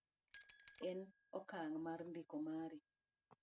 gi okang' mar ndiko mari